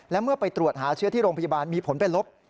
และเมื่อไปตรวจหาเชื้อที่โรงพยาบาลมีผลเป็นลบ